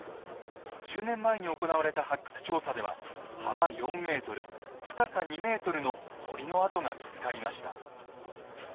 １０年前に行われた発掘調査では幅４ｍ深さ２ｍの堀の跡が見つかりました。